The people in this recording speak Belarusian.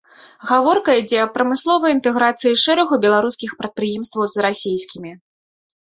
Гаворка ідзе аб прамысловай інтэграцыі шэрагу беларускіх прадпрыемстваў з расейскімі.